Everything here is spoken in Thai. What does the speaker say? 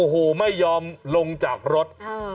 โอ้โหไม่ยอมลงจากรถ